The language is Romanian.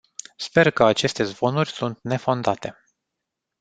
Sper că aceste zvonuri sunt nefondate.